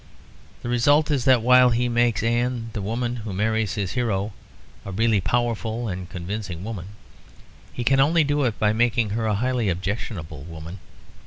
The result is that while he makes Anne, the woman who marries his hero, a really powerful and convincing woman, he can only do it by making her a highly objectionable woman.